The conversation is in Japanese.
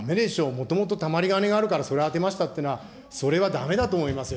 もともとたまり金があるからそれを充てましたっていうのは、それはだめだと思いますよ。